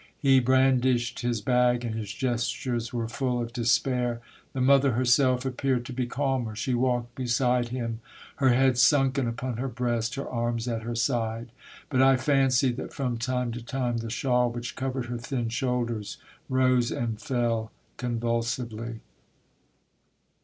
He bran dished his bag, and his gestures were full of de spair. The mother herself appeared to be calmer. She walked beside him, her head sunken upon her breast, her arms at her side. But I fancied that from time to time the shawl which covered her thin shoulders rose and fell convulsively.